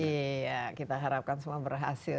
iya kita harapkan semua berhasil